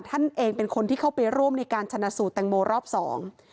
ท่านเองเป็นคนที่เข้าไปร่วมในการชนะสูตรแตงโมรอบสอง